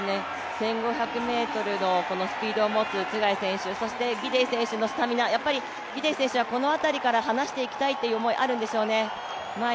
１５００ｍのスピードを持つツェガイ選手そして、ギデイ選手のスタミナギデイ選手はこの辺りから離していきたいという思いあるんでしょうね。